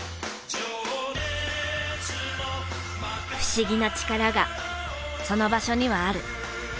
不思議な力がその場所にはある。